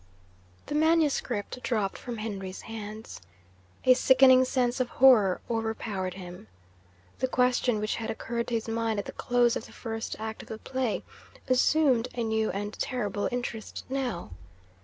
The manuscript dropped from Henry's hands. A sickening sense of horror overpowered him. The question which had occurred to his mind at the close of the First Act of the Play assumed a new and terrible interest now.